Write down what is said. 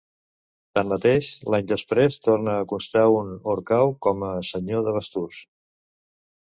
Tanmateix, l'any després torna a constar un Orcau com a senyor de Basturs: